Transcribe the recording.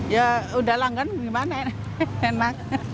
ya udah langganan gimana ya enak